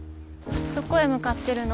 どこへ向かってるの？